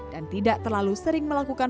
dan tidak terlalu sering melakukan